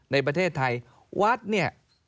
ในประเทศไทยวัดเนี่ย